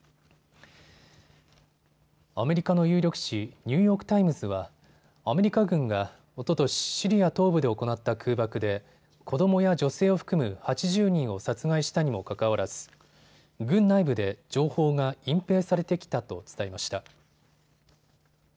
アメリカの有力紙、ニューヨーク・タイムズはアメリカ軍がおととし、シリア東部で行った空爆で子どもや女性を含む８０人を殺害したにもかかわらず軍内部で情報が隠蔽されてきたと伝えました。